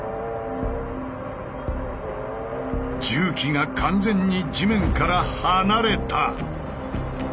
重機が完全に地面から離れた。